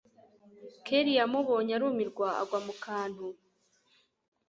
kellia amubonye arumirwa agwa mukantu